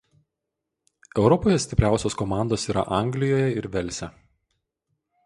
Europoje stipriausios komandos yra Anglijoje ir Velse.